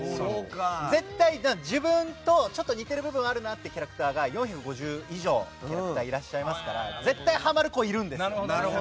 絶対自分とちょっと似てる部分があるなっていうキャラクターが４５０以上のキャラクターいらっしゃいますから絶対ハマる子がいるんですよ。